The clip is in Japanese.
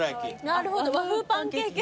なるほど和風パンケーキ。